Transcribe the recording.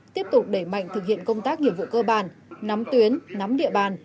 tiếp tục đẩy mạnh thực hiện công tác nhiệm vụ cơ bản nắm tuyến nắm địa bàn